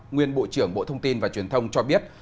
nguyên bộ trưởng bộ thông tin và truyền thông cho biết